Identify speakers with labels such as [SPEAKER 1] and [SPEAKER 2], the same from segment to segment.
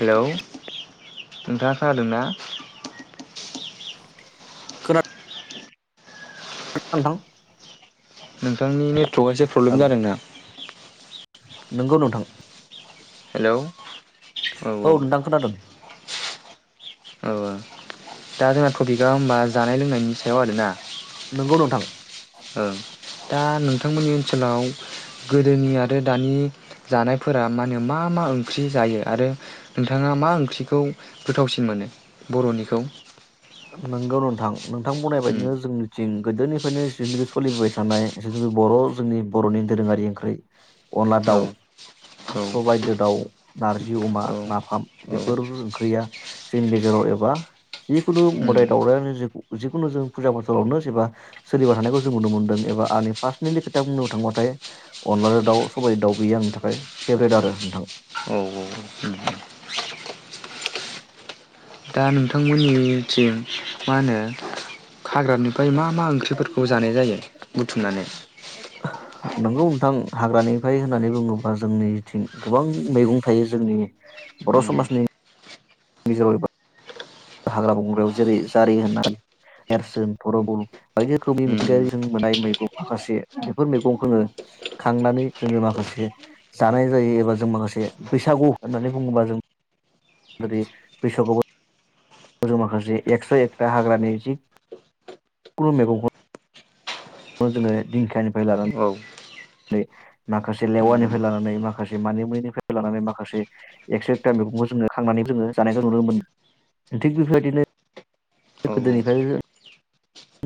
[SPEAKER 1] Hello नोंथाङा खोनादों ना।
[SPEAKER 2] खोना [unintelligible]
[SPEAKER 1] नोंथांनि ने [unintelligible] एसे प्रब्लेम
[SPEAKER 2] नोंथां
[SPEAKER 1] जादोंना।
[SPEAKER 2] नोंगौ नोंथां।
[SPEAKER 1] हेलौ
[SPEAKER 2] औ नोंथां खोनादों।
[SPEAKER 1] औ दा जोंना टपिकआ होमबा जानाय लोंनायनि सायाव आरोना।
[SPEAKER 2] नंगौ नोंथां।
[SPEAKER 1] ओं दा नोंथांमोननि ओनसोलाव गोदोनि आरो आरो दानि जानायफोरा मा होनो मा मा ओंख्रि जायो आरो नोंथाङा मा ओंख्रिखौ गोथावसिन मोनो बर'निखौ।
[SPEAKER 2] नोंगौ नोंथां। नोंथां बुंनाय
[SPEAKER 1] उम
[SPEAKER 2] बायदिनो जोंनिथिं। गोदोनिफ्रायनो [unintelligible] सोलिबोबाय थानाय [unintelligible] बर' जोंनि बर'नि दोरोङारि ओंख्रि। अनला
[SPEAKER 1] औ
[SPEAKER 2] दाउ
[SPEAKER 1] औ
[SPEAKER 2] सबाइदो दाउ। नारजि। जि अमा
[SPEAKER 1] औ
[SPEAKER 2] नाफाम
[SPEAKER 1] औ
[SPEAKER 2] बे बेफोर ओंख्रिया जोंनि गेजेराव एबा जि जिखुनु
[SPEAKER 1] उम
[SPEAKER 2] मोदाय दावररायानो जिखुनु जों फुजा फाथालावनो एबा सोलिबाय थानायखौ जों नुनो मोन्दों एबा आंनि पार्सनेलि खोथा बुंनो थांबाथाय अनला दाउ सबायाइ दाउ बेयो आंनि थाखाय फेभरेट आरो नोंथां
[SPEAKER 1] औ
[SPEAKER 2] [inaudible]
[SPEAKER 1] दा नोंथांमोननि थिं मा होनो खाग्रानि ओमफ्राय मा मा ओंख्रिफोरखौ जानाय जायो बुथुमनानै
[SPEAKER 2] नंगौ नोंथां हाग्रानिफ्राय होननानै बुङोबा जोंनिथिं गोबां मैगं थायो जोंनि बर'
[SPEAKER 1] उम
[SPEAKER 2] समाजनि [unintelligible] हाग्रा बंग्रायाव जेरै जारि होननानै नेरसोन थरबल बायदि रोखोमनि
[SPEAKER 1] उम
[SPEAKER 2] मिथिंगायारि जों मोननाय मैगं माखासे बेफोर मैगंखौनो खांनानै जोङो माखासे जानाय जायो एबा जों माखासे बैसागु होननानै बुङोबा जों जेरै बैसागु माखासे एकस' एक्रा हाग्रानि जि [inaudible] कुनु मेगंखौ जोङो दिंखियानिफ्राय लानानै
[SPEAKER 1] औ
[SPEAKER 2] नै माखासे
[SPEAKER 1] उम
[SPEAKER 2] लेवारनिफ्राय लानानै माखासे मानिमुनिफ्राय लानानै माखासे एक्सट्राक्टम मैगंखौ जोङो खांनानै जोङो जानायखौ नुनो मोनो थिग बेफोरबायदिनो
[SPEAKER 1] औ
[SPEAKER 2] गोदोनिफ्राय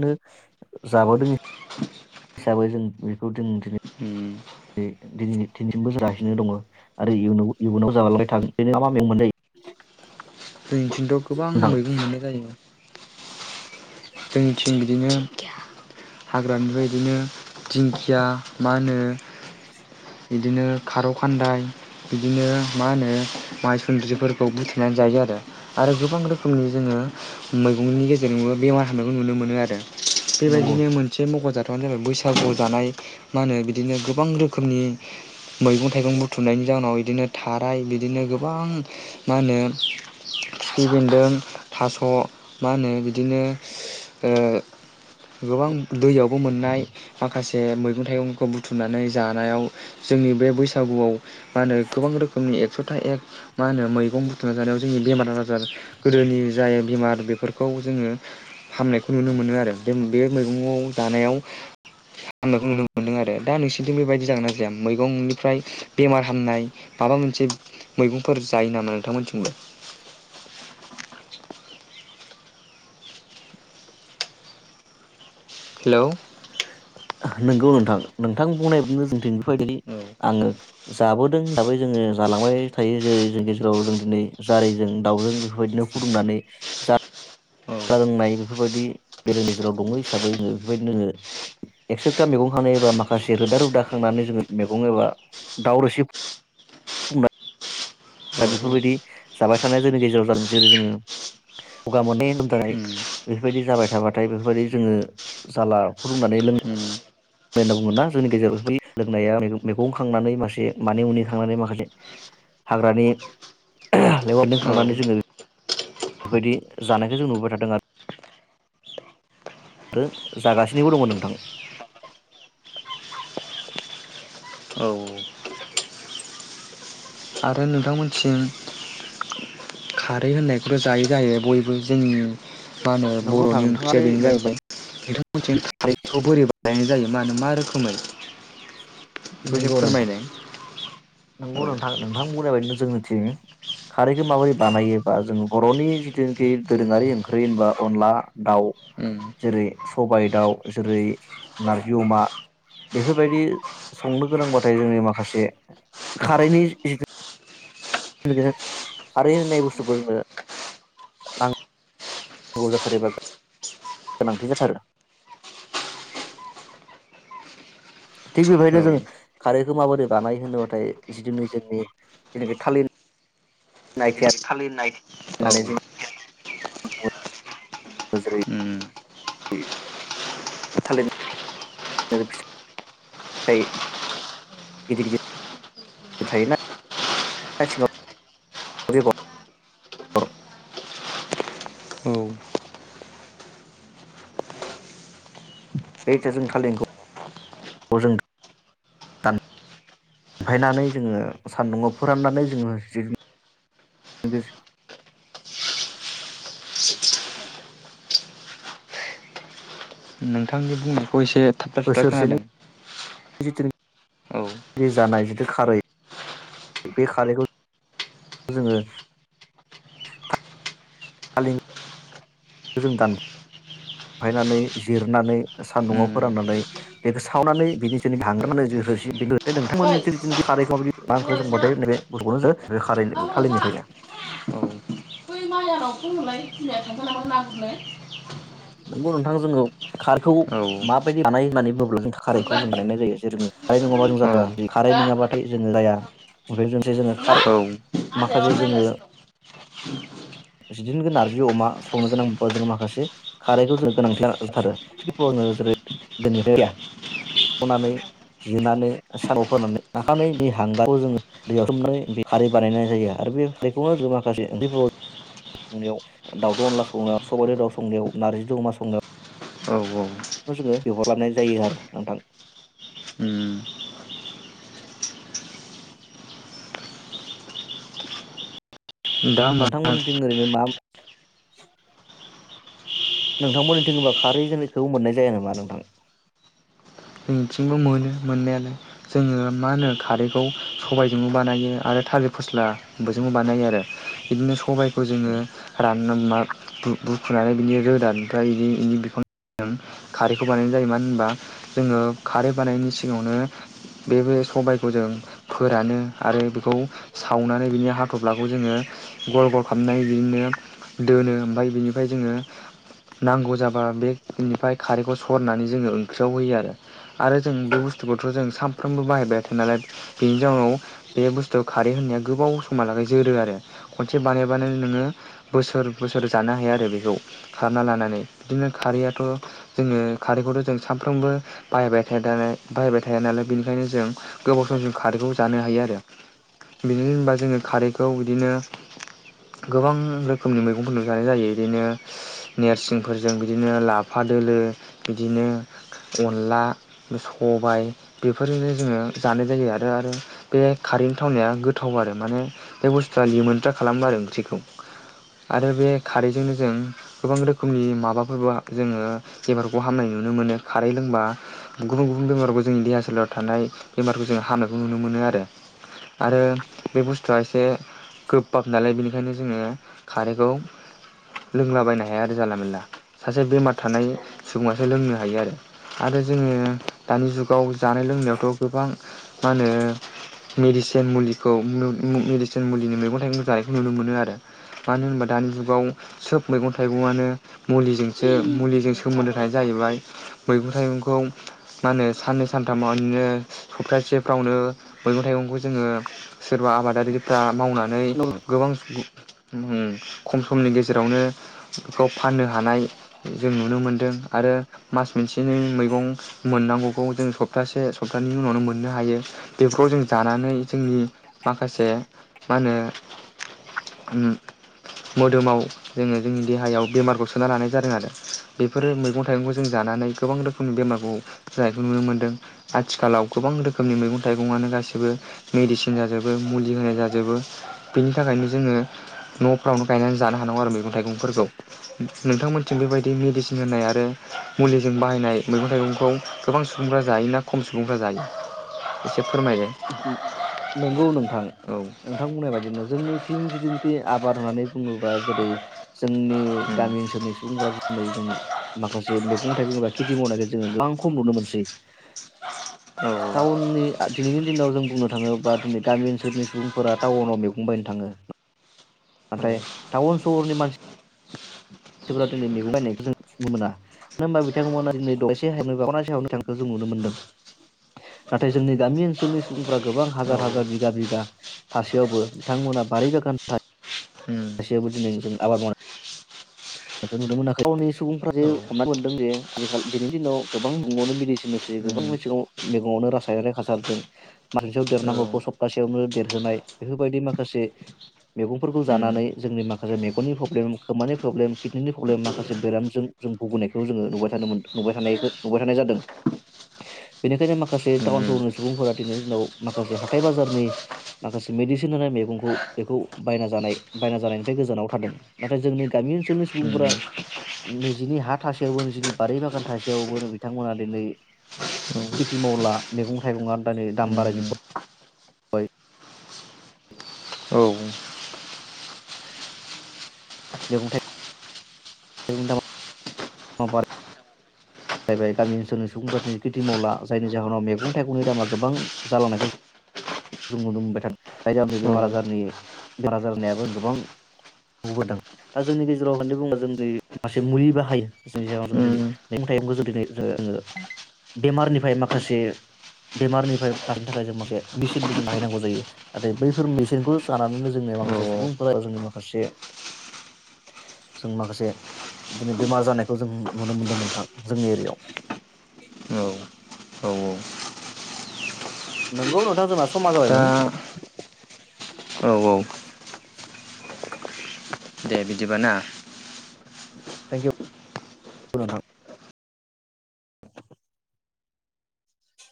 [SPEAKER 2] नो जाबोदों हिसाबै जों बेखौ जों दिनै
[SPEAKER 1] उम
[SPEAKER 2] नै थिनसिम बोसोर जासिनो दङ आरोबो इयुनाव जालांबाय थागोन [unintelligible]
[SPEAKER 1] जोंनिथिंथ' गोबां
[SPEAKER 2] नोंथां
[SPEAKER 1] मैगं मोननाय जायो
[SPEAKER 2] [inaudible]
[SPEAKER 1] जोंनिथिं बिदिनो हाग्रानिफ्राय बायदिनो दिंखिया मा होनो बिदिनो खारौ खान्दाय बिदिनो मा होनो माइसुन्द्रिफोरखौ बुथेनानै जायो आरो आरो गोबां रोखोमनि जोङो मैगंनि गेजेरजोंबो बेमार [unintelligible] नुनो मोनो आरो बेबायदिनो मोनसे मख'जा [unintelligible] जाबाय बैसागु जानाय मा होनो बिदिनो गोबां रोखोमनि मैगं थाइगं बुथुमनायनि जाहोनाव बिदिनो थाराय बिदिनो गोबां मा होनो खिफि बेन्दों थास' मा होनो बिदिनो ओ गोबां दैयावबो मोननाय माखासे जे मैगं थाइगंखौ बुथुमनानै जानायाव जोंनि बे बैसागुआव मा होनो गोबां रोखोमनि एक्स' एक मा होनो मैगं बुथुमना जानायाव जोंनि बेमार आजार गोदोनि जाय बेमार बेफोरखौ जोङो हामनायखौ नुनो मोनो आरो बे बे मैगङाव जानायाव खालामनायखौ नुनो मोन्दों आरो दा नोंसिनिथिं बेबायदि जागोन ना जाया? मैगं। ओमफ्राय बेमार हामनाय माबा मोनसे मैगंफोर जायो नामा नोंथांमोनथिंबो? हेल'
[SPEAKER 2] नोंगौ नोंथां नोंथां बुंनाय बादिनो जोंथिं
[SPEAKER 1] औ
[SPEAKER 2] [unintelligible] आङो जाबोदों हिसाबै जोङो जालांबाय थायो। जेरै जों गेजेराव जों दिनै जारिजों दाउजों बेफोरबायदिनो फुदुंनानै जा नाय लोंनाय बेफोरबायदि बे जोंनि गेजेराव दङो हिसाबै जोङो बेफोरबायदि जोङो एकस'था मैगं खांनाय एबा माखासे रोदा रोदा खांनानै जोङो मैगं एबा दाउ रोसि दा बेफोरबायदि जाबाय थानाया जोंनि गेजेराव जा जेरै जोङो गगा मोननाय लोमजानाय बेफोरबायदि जाबाय थाबाथाय बेफोरबायदि जोङो जाला फुदुंनानै लों ङो होनना बुङोना जोंनि गेजेरावयो लोंनाया मैगं खांनानै मासे मानै मुनि खांनानै माखासे हाग्रानि लेवादों
[SPEAKER 1] औ
[SPEAKER 2] खांनानै जोङो बेबायदि जानायखौ जों नुबाय थादों आरो जागासिनोबो दङ' नोंथां।
[SPEAKER 1] औ आरो नोंथांमोनसिम खारै होननायखौथ' जायो जायो बयबो जोंनि मा होनो
[SPEAKER 2] नंगौ नोंथां
[SPEAKER 1] बर'नि
[SPEAKER 2] नोंथाङा
[SPEAKER 1] ओंख्रिया
[SPEAKER 2] आरो
[SPEAKER 1] बेनो जाहैबाय नोथांमोनथिं खारैखौ बोरै बा गायनाय जायो मा होनो मा रोखोमै? बेखौ एसे फोरमायनाय औ
[SPEAKER 2] नोंगौ नोंथां नों थां बुंनाय बायदिनो जोंनिथिं खारैखो माबोरै बानायो? बा जों बर'नि जिथुनाखि दोरोङारि ओंख्रि होनबा अनला दाउ
[SPEAKER 1] उम
[SPEAKER 2] जेरै सबाइ दाउ जेरै नारजि अमा बेफोरबायदि संनो गोनांबाथाय जोंनि माखासे खारैनि जि खारै होननाय बुस्थुखौ जोंनो नां गौ जाथारो बा गोनांथि जाथारो थिग
[SPEAKER 1] औ
[SPEAKER 2] बेबायायनो जों खारैखौ माबोरै बानाय होनोबाथाय जिखुनु जोंनि जेनाखि थालिर [unintelligible]
[SPEAKER 1] थालिन नाय औ
[SPEAKER 2] होननानै जों जेरै
[SPEAKER 1] उम
[SPEAKER 2] [unintelligible] थालिर [unintelligible] दैै [unintelligible] थायो ना [unintelligible] [unintelligible]
[SPEAKER 1] औ
[SPEAKER 2] बेथ जों खालिर [unintelligible] ए जों दफायनानै जोङो सान्दुंङआव फोराननानै जोङो
[SPEAKER 1] नोंथांनि बुं अबिसे थाबथा थुबथा खोनादों औ
[SPEAKER 2] जि जानाय जिथु खारै बे खारैखौ जोङो थ जों दानफायनानै जिरनानै सान्दुंआव
[SPEAKER 1] उम
[SPEAKER 2] फोराननानै बेखौ सावनानै बिनि जों हांग्रनानै ज हो
[SPEAKER 1] ओइ
[SPEAKER 2] नोंथांमोननि खारैखौाबदि ओंख्रि
[SPEAKER 1] मालाय सा
[SPEAKER 2] संबाथाय नैब गथ'खौनो ज खार
[SPEAKER 1] आ मालाय सा
[SPEAKER 2] थालिरनिफ्रायनो
[SPEAKER 1] बै माइयानाव फनहरलाय बिमाया थांखा नामा ना
[SPEAKER 2] नंगौ नोंथां जोङो खारखौ माबायदि बानाय होननानै बुङोब्ला जों
[SPEAKER 1] गुरनो
[SPEAKER 2] खारैखौ जों
[SPEAKER 1] मोनबाय हो
[SPEAKER 2] बानायनाय जायो जेोङो खारै नङाबा जों जाथारा खारै
[SPEAKER 1] मोनबाय
[SPEAKER 2] नङाबाथाय जोङो जाया बेमफ्रायजोंसै जोङो खार
[SPEAKER 1] आजाया
[SPEAKER 2] माखासे
[SPEAKER 1] माबा
[SPEAKER 2] जोङो
[SPEAKER 1] रायगासिनो
[SPEAKER 2] जिदिनखौ नारजि अमा संनो गोनां जोङो माखासे खारैखौ जोङो गोनांथि जाथारो बेाव जोङो जेरै गोनिफ्रायनानै जनानै सार' फानै नाखानानै बे हांगारखौ जोङो दैयावथोमनानै बे खारै बानायनाय जायो आरो बे खारैखौनो जोङो माखासे उन्दैाव संनायाव दाउद' अनला संनो सबारि दाउ संनायाव नार्जि जो अमा संनो
[SPEAKER 1] दं औ औ
[SPEAKER 2] जोङो बिहरलबनाय जायो आरो नोंथां।
[SPEAKER 1] उम दा होमबा
[SPEAKER 2] नोंथांमोननि थिं ओरैनो मा [unintelligible] नोंथां मोननिथिं होनबा खारैखौ मोननाय जाया नामा नोंथां।
[SPEAKER 1] जों बिथिंबो मोनो मोननायालाय जोङो मा होनो खारैखौ सबायजोंबो बानायो आरो थालिर फस्ला बोजोंबो बानायो आरो बिदिनो सबाय खौ जोङो रा मा बुखुनानै बिनि रोदा ओमफ्राय बिदि बिनि बिख खारैखौ बानायनाय जायो मानो होनबा जोङो खारै बानायनायनि सिगाङावनो बे सबायखौ जों फोरानो आरो बेखौ सावनानै बिनि हाथ'फ्लाखौ जोङो गल गल खालाम नाय जोंनो दोनो ओमफ्राय बिनिफ्राय जोङो नांगौ जाबा बेनिफ्राय खारैखौ सरनानै जोङो ओंख्रियाव होयो आरो। आरो जों बहु बुस्थुखौथ' जों सानफ्रामबो बाहायबायो नालाय बेनि जाउनाव बे बुस्थुखौ खारै होननाया गोबाव समहालागै जोरो आरो खनसे बानायबानो नोङो बोसोर बोसोर जानो हायो आरो बेखौ खारना लानानै बिदिनो खारैया जोङो खारैखौथ' जों सामफ्रोमबो बाहायबाय थाया दानाय बाहायबाय थाया नालाय बेनिखायनो जों गोबाव सम जों खारैखौ जानो हायो आरो बिनि होनबा जोङो खारैखौ बिदिनो गोबां रोखोमनि मैगंफोरखौनो जानाय जायो बिदिनो नोरसिंफोरजों बिदिनो लाफा दोलो बिदिनो अनला सबाय बेफोरजोंनो जोङो जानाय जायो आरो आरो बे खारैनि थावनाया गोथाव आरो माने बे बुस्थुआ लिमोनथ्रा खालामो आरो ओंख्रिखौ आरो बे खारैजोंनो जों गोबां रोखोमनि माबाफोर जोङो खौ हामनाय नुनो मोनो खारै जेनबा। गुबुन गुबुन बेमारखौ जोंनि देहा सोलेरायाव थानाय बेमारखौ जों हामनायखौ नुनो मोनो आरो आरो बे बुस्थुआ एसे गोबबाब नालाय बेनि ओंखायनो जोङो खारैखौ लोंलाबायनो हाया आरो जाला मेरला सासे बेमार थानाय सुबुङासो लोंनो हायो आरो। आरो जोङो दानि जुगाव जानाय लोंनायावथ' गोबां मा होनो मेडिसिन मुलिखौ मु मु मेडिसिन मुलिनि मैगं जानायखौ नुनो मोनो आरो मानो होनबा दानि जुगाव सोब मैगं थाइगंनो मुलिजोंसो मुलिजों सोमोन्दो थानाया जाहैबाय मैगं थाइगंखौ मा होनो साननै सानथामावनो सप्तासेफ्रावनो मैगं थाइगंखौ जोङो सोरबा आबादारि दा मावनानै गोबां सु उम। खम समनि गेजेरावनो खौ फाननो हानाय जों नुनो मोनदों आरो मास मोनसेनै मैगं मोननांगौखौ जों सप्तासे सप्तानि उनावनो मोन मोननो हायो बेफोराव जों जानानै जोंनि माखासे मा होनो उम मोदोमाव जोङो जोंनि देहायाव बेमारखौ सोना लानाय जादों आरो बेफोरो मैगं थाइगंखौ जों जानानै गोबां रोखोमनि बेमारखौ जानायखौ नुनो मोनदों आथिखालाव गोबां रोखोमनि मैगं थाइगङानो गासिबो मेडिसिन जाजोबो मुलि होनाय जाजोबो बेनि थाखायनो जोङो न'फ्रावनो गायनानै जानो हानांगौ आरो मैगं थाइगंफोरखौ नोंथांमोनथिं बेबायदि मेडिसिन होनाय आरो मुलि जों बाहायनाय मैगं थाइगंखौ गोबां सुबुंफ्रा जायोना खम सुबुंफ्रा जायो एसे फोरमायदो।
[SPEAKER 2] नंगौ नोंथां
[SPEAKER 1] औ
[SPEAKER 2] नोंथां बुंनाय बायदिनो जोंनिथिं जिदि टि आबार माने बुङोबा जेरै जोंनि
[SPEAKER 1] उम
[SPEAKER 2] गामि ओनसोलनि सुबुंफोरा जै जों माखासे मे गं थाइगं एबा खेथि मावनायखौ जोङो गोबां खम नुनो मोनसै।
[SPEAKER 1] औ
[SPEAKER 2] सावननि आ दिनैनि जों बुंनो थाङोबा दिनै गामि ओनसोलनि सुबुंफोरा टाउनाव मैगं बायनो थाङो।
[SPEAKER 1] औ
[SPEAKER 2] नाथाय टाउन सहरनि मान सिफ्रा दिनै मैगं बायनायखौ जों नुनो मोना मानो होनबा बिथांमोना दिनै दबलायसे हा खनासे हायावनो [unintelligible] थांखो जों नुनो मोनदों नाथाय जोंनि गामि ओनसोलनि सुबुं रा गोबां
[SPEAKER 1] औ
[SPEAKER 2] हाजार हाजार बिघा बिघा थासेयावबो बिथांमोनहा बारि बागान
[SPEAKER 1] उम
[SPEAKER 2] थसेयावबो दिनै जों आबाद मावनाय खो नुनो मोनाखै टावननि सुबुंफ्रा जे
[SPEAKER 1] औ उम औ
[SPEAKER 2] हमनानै मोनदों जे आजिखालि दिनैनि दिनाव गोबां मैगङावनो मेडिसिन होसै
[SPEAKER 1] उम
[SPEAKER 2] गोबां मेसेगाव मेगङावनो रासायनारि हासारजों मास मोनसेयाव देरनांगौखौ सप्तासेयावनो देरहोनाय बेफोरबायदि माखासे मैगंफोरखौ
[SPEAKER 1] उम
[SPEAKER 2] जानानै जोंनि माखासे मेगननि प्रब्लेम खोमानि प्रब्लेम किडनिनि प्रब्लेम माखासे बेरामजों जों बुगिनायखौ जोङो नुबाय थानो मोन नुबाय थानायखो नुबाय थानाय जादों बेनिखायनो माखासे टाउन सहरनि सुबुंफोरा दिनैनि दिनाव माखासे हाथाइ बाजारनि माखासे मेडिसिन होनाय मैगंखौ बेखौ बायना जानाय बायना जानायनिफ्राय गोजानाव थादों नाथाय जोंनि गामि ओनसोलनि
[SPEAKER 1] औ उम
[SPEAKER 2] सुबुंफोरा निजिनि हा थासेयावबो निजिनि बारि बागान थासेयावबो बिथांमोना दिनै
[SPEAKER 1] औ उम
[SPEAKER 2] खेथि मावला मैगं थाइगंआ दानै दाम
[SPEAKER 1] औ
[SPEAKER 2] बारायजोबाय
[SPEAKER 1] औ
[SPEAKER 2] मैगं थाइ [unintelligible] जायबाय गामि ओनसोलनि सुबुंफ्रा दिनै खेथि मावला जायनि जाहोनाव मैगं-थाइगंनि दामा गोबां जालांनायखौ जों नुनो मोनबाय थादों। जाय जुनै बेमार-आजारनि बेमार आजाराबो गोबां नुबोदों। दा जोंनि गेजेराव होनै बुङो जों दिन मासे मुलि बाहायो जायनि जाहोनाव जों दिनै बे मु [unintelligible] जोङो बेमारनिफ्राय माखासे बेमारनिफ्राय बांनो थाखाय जों माखासे मेसिनबो जों बाहायनांगौ जायो। नाथाय बैफोर मेसिनखौ जानानैनो जोंङो माखासे सुबुंफोरा जोंनि माखासे जों माखासे बिदिनो बेमार जानायखौ जों नुनो मोनदों नोंथां। जोंनि एरियायाव।
[SPEAKER 1] औ
[SPEAKER 2] [inaudible] नंगौ नोंथां जोंना समा जाबाय
[SPEAKER 1] दा
[SPEAKER 2] मोन [inaudible]
[SPEAKER 1] औ औ
[SPEAKER 2] [inaudible]
[SPEAKER 1] दे बिदिबा ना
[SPEAKER 2] थेंक इउ नोंथां। [inaudible]